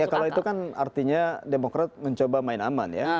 ya kalau itu kan artinya demokrat mencoba main aman ya